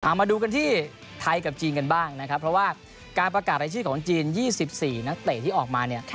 มาดูกันที่ไทยกับจีนกันบ้างนะครับเพราะว่าการประกาศรายชื่อของจีน๒๔นักเตะที่ออกมาเนี่ย